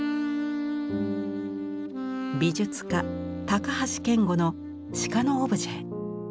美術家橋賢悟の鹿のオブジェ。